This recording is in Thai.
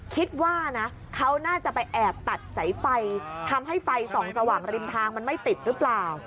คิดว่านะเขาน่าจะไปแอบตัดสายไฟทำให้ไฟส่องสว่างริมทางมันไม่ติดหรือเปล่า